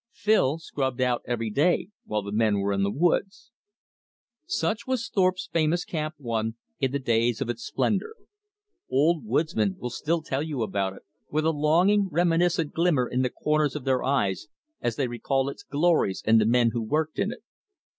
Phil scrubbed out every day, while the men were in the woods. Such was Thorpe's famous Camp One in the days of its splendor. Old woodsmen will still tell you about it, with a longing reminiscent glimmer in the corners of their eyes as they recall its glories and the men who worked in it.